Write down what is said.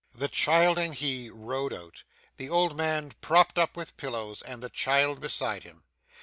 The child and he rode out; the old man propped up with pillows, and the child beside him.